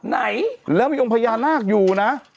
ไหนแล้วมีองค์พญานาคอยู่นะ